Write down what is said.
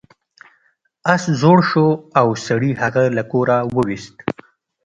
اس زوړ شو او سړي هغه له کوره وویست.